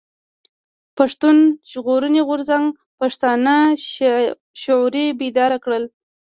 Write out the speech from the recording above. پښتون ژغورني غورځنګ پښتانه شعوري بيدار کړل.